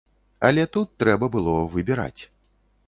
Але тут трэба было выбіраць.